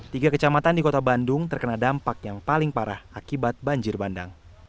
tiga kecamatan di kota bandung terkena dampak yang paling parah akibat banjir bandang